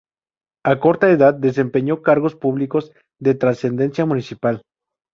A corta edad desempeño cargos públicos de trascendencia municipal.